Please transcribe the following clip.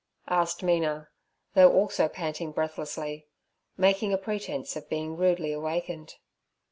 asked Mina, though also panting breathlessly, making a pretence of being rudely awakened.